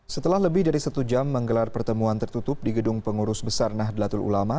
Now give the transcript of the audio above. setelah lebih dari satu jam menggelar pertemuan tertutup di gedung pengurus besar nahdlatul ulama